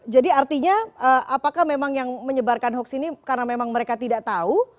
jadi artinya apakah memang yang menyebarkan hoax ini karena memang mereka tidak tahu